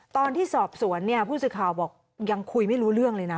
ตอนที่สอบสวนเนี่ยผู้สื่อข่าวบอกยังคุยไม่รู้เรื่องเลยนะ